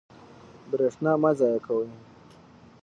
برښنا مه ضایع کوئ